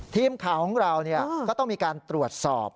ทีมข่าวของเราก็ต้องมีการตรวจสอบ